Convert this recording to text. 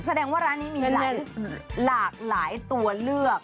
แสดงว่าร้านนี้มีหลากหลายตัวเลือก